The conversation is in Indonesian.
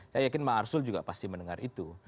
saya yakin bang arsul juga pasti mendengar itu